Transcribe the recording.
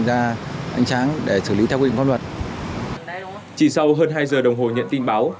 chỉ sau hơn hai giờ đồng hồ nhận tin báo